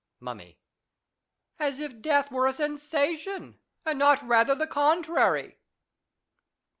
Mummy. As if death were a sensation, and not rather the contrary.